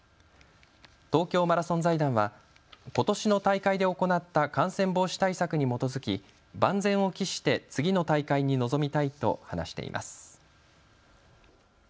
東京マラソン財団は、ことしの大会で行った感染防止対策に基づき万全を期して次の大会に臨みたいと話しています。